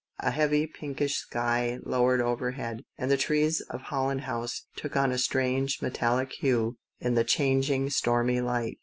A heavy, pinkish sky lowered overhead, and the trees of Holland House took a strange metallic hue in the changing stormy light.